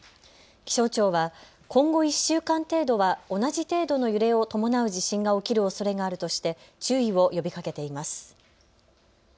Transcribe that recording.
気象庁は今後１週間程度は同じ程度の揺れを伴う地震が起きるおそれがあるとして注意を呼びかけています。